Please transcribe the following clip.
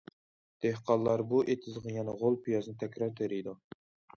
دېھقانلار بۇ ئېتىزغا يەنە غول پىيازنى تەكرار تېرىيدۇ.